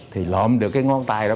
thì lộn được cái ngón tay đó